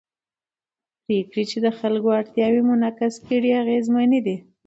پرېکړې چې د خلکو اړتیاوې منعکس کړي اغېزمنې دي